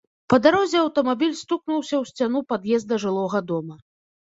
Па дарозе аўтамабіль стукнуўся ў сцяну пад'езда жылога дома.